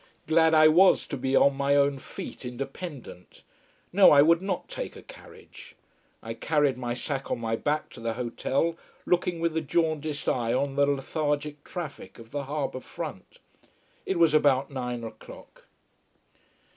Glad I was to be on my own feet, independent. No, I would not take a carriage. I carried my sack on my back to the hotel, looking with a jaundiced eye on the lethargic traffic of the harbour front. It was about nine o'clock.